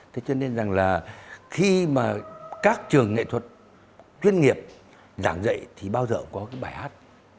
thế cho nên rằng là khi mà các trường nghệ thuật chuyên nghiệp giảng dạy thì bao giờ cũng có cái bài hát